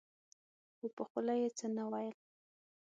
خو په خوله يې څه نه ويل.